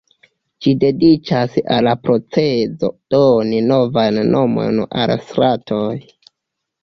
Ĝi dediĉas al la procezo doni novajn nomojn al stratoj.